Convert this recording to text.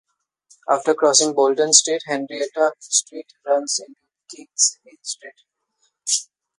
After crossing Bolton Street, Henrietta Street runs into King's Inns Street.